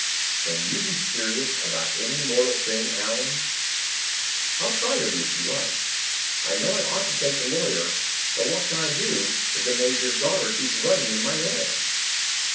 "Can you be serious about any mortal thing, Allan?" "I'll try to be, if you like. I know I ought to take the lawyer; but what can I do if the major's daughter keeps running in my head?"